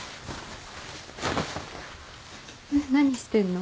何してんの？